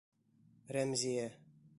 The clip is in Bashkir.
Рәмзиә